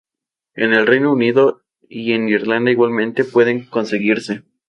En el Reino Unido y en Irlanda igualmente pueden conseguirse.